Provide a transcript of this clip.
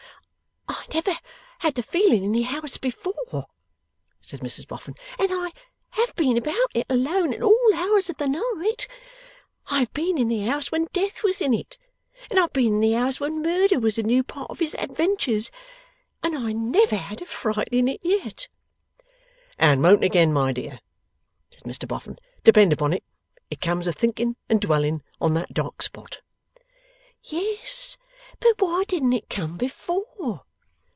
'I never had the feeling in the house before,' said Mrs Boffin; 'and I have been about it alone at all hours of the night. I have been in the house when Death was in it, and I have been in the house when Murder was a new part of its adventures, and I never had a fright in it yet.' 'And won't again, my dear,' said Mr Boffin. 'Depend upon it, it comes of thinking and dwelling on that dark spot.' 'Yes; but why didn't it come before?